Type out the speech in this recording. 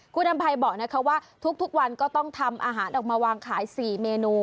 คุณอำภัยบอกนะคะว่าทุกวันก็ต้องทำอาหารออกมาวางขาย๔เมนู